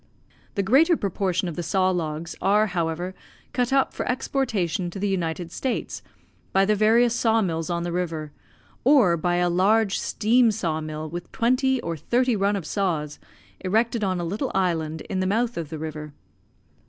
The greater proportion of the saw logs are, however, cut up for exportation to the United States by the various saw mills on the river, or by a large steam saw mill with twenty or thirty run of saws, erected on a little island in the mouth of the river.